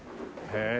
へえ。